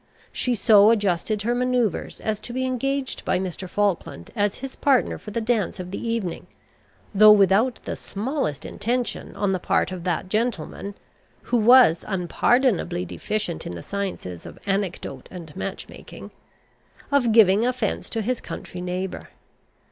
She so adjusted her manoeuvres as to be engaged by Mr. Falkland as his partner for the dance of the evening, though without the smallest intention on the part of that gentleman (who was unpardonably deficient in the sciences of anecdote and match making) of giving offence to his country neighbour.